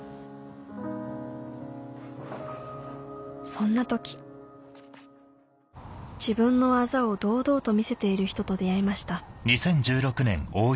そんな時自分のあざを堂々と見せている人と出会いました